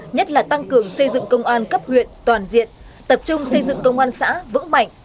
nhất là tăng cường xây dựng công an cấp huyện toàn diện tập trung xây dựng công an xã vững mạnh